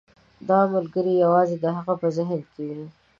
دا ملګری یوازې د هغه په ذهن کې وي.